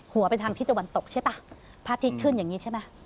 ไปทางทิศตะวันตกใช่ป่ะพระอาทิตย์ขึ้นอย่างนี้ใช่ไหม